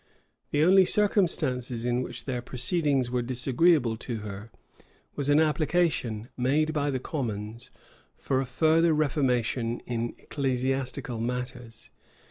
The only circumstance in which their proceedings were disagreeable to her, was an application, made by the commons, for a further reformation in ecclesiastical matters.